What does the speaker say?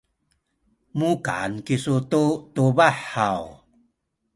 mukan kisu tu tubah haw?